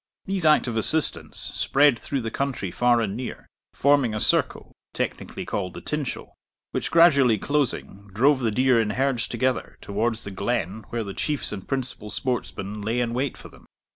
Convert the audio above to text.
These active assistants spread through the country far and near, forming a circle, technically called the tinchel, which, gradually closing, drove the deer in herds together towards the glen where the Chiefs and principal sportsmen lay in wait for them.